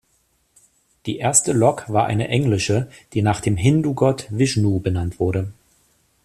Die erste Lok war eine englische, die nach dem Hindugott Vishnu benannt wurde.